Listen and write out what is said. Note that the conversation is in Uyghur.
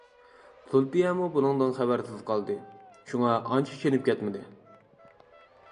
زۇلپىيەمۇ بۇنىڭدىن خەۋەرسىز قالدى. شۇڭا ئانچە چېنىپ كەتمىدى.